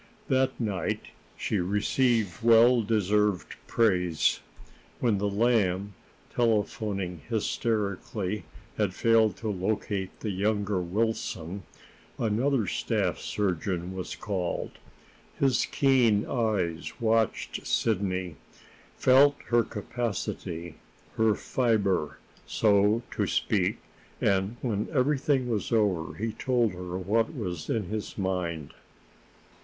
That night she received well deserved praise. When the Lamb, telephoning hysterically, had failed to locate the younger Wilson, another staff surgeon was called. His keen eyes watched Sidney felt her capacity, her fiber, so to speak; and, when everything was over, he told her what was in his mind.